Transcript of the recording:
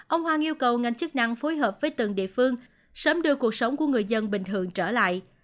ông hoàng yêu cầu ngành chức năng phối hợp với từng địa phương sớm đưa cuộc sống của người dân bình thường trở lại